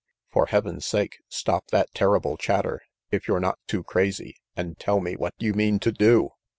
"For Heaven's sake, stop that terrible chatter, if you're not too crazy, and tell me what you mean to do."